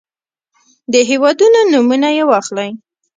د هېوادونو نومونه يې واخلئ.